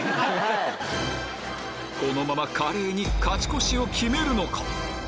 このまま華麗に勝ち越しを決めるのか？